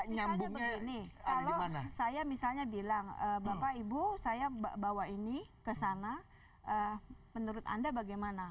misalnya begini kalau saya misalnya bilang bapak ibu saya bawa ini ke sana menurut anda bagaimana